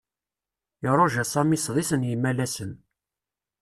Iruja Sami sḍis n yimalasen.